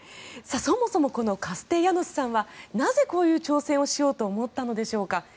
そもそもこのカステヤノスさんはなぜこういう挑戦をしようと思ったのでしょうか。